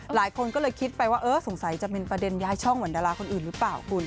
หลายคนก็เลยคิดไปว่าเออสงสัยจะเป็นประเด็นย้ายช่องเหมือนดาราคนอื่นหรือเปล่าคุณ